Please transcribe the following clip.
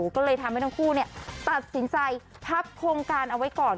ก็เลยทำให้ทั้งคู่ตัดสินใจพับโครงการเอาไว้ก่อน